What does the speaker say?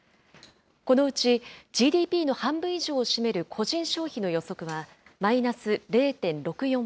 このうち、ＧＤＰの半分以上を占める個人消費の予測はマイナス０．６４％。